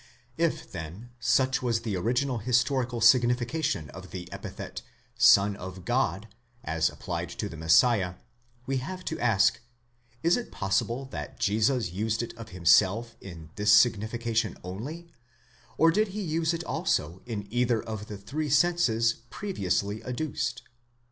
If, then, such was the original historical signification of the epithet, Son of God, as applied to the Messiah, we have to ask: is it possible that Jesus used it of himself im this signification only, or did he use it also in either of the three senses previously adduced?